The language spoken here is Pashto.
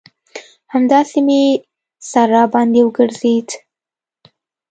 همداسې مې سر راباندې وگرځېد.